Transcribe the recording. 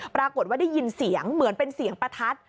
ปรากฏว่าได้ยินเสียงเหมือนเป็นเสียงประทัด